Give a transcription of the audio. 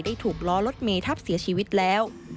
ถูกล้อรถเมทับเสียชีวิตแล้ว